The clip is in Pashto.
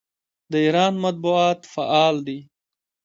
د ایران مطبوعات فعال دي.